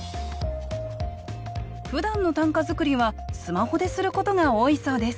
ふだんの短歌作りはスマホですることが多いそうです